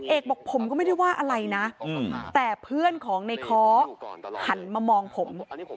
เอกบอกผมก็ไม่ได้ว่าอะไรนะแต่เพื่อนของในค้อหันมามองผม